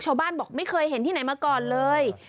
บอกไม่เคยเห็นที่ไหนมาก่อนเลย